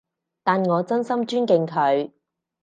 但我真心尊敬佢